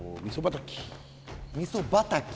みそばたき。